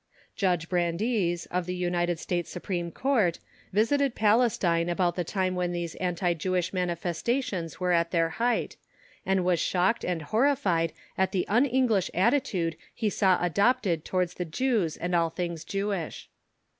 Judge Brandies, of the United States Supreme Court, visited Palestine about the time when these anti Jewish manifestations were at their height, and was shocked and horrified at the un English attitude he saw adopted towards the Jews and all things Jewish.